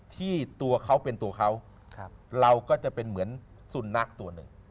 ที่ตัวเขาเป็นตัวเขาเราก็จะเป็นเหมือนสุนัขตัวหนึ่ง